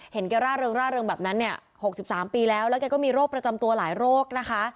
เห็นแกร่าเริงร่าเริงแบบนั้นเนี่ย๖๓ปีแล้วแล้วแกก็มีโรคประจำตัวหลายโรคนะคะ